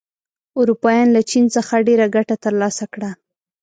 اروپایان له چین څخه ډېره ګټه تر لاسه کړه.